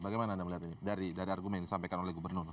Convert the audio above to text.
bagaimana anda melihat ini dari argumen yang disampaikan oleh gubernur